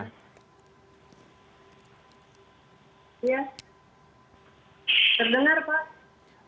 ya terdengar pak